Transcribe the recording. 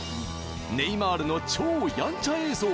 ネイマールの超やんちゃ映像